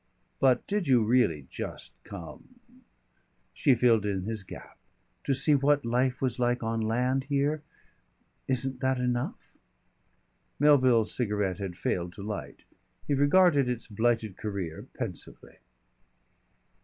"But did you really just come ?" She filled in his gap. "To see what life was like on land here?... Isn't that enough?" Melville's cigarette had failed to light. He regarded its blighted career pensively.